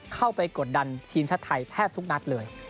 กดดันทีมชาติไทยแทบทุกนัดเลย